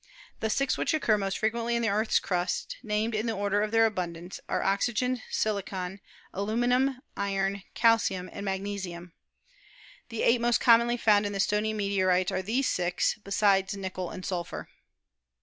The six which occur most frequently in the Earth's crust, named in the order of their abundance, are oxygen, silicon, aluminium, iron, calcium and mag nesium. The eight most commonly found in the stony meteorites are these six, besides nickel and sulphur.